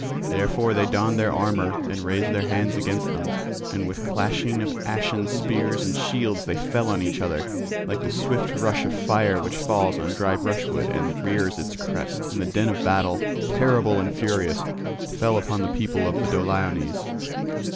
Therefore they donned their armour and raised their hands against them. And with clashing of ashen spears and shields they fell on each other, like the swift rush of fire which falls on dry brushwood and rears its crest; and the din of battle, terrible and furious, fell upon the people of the Doliones.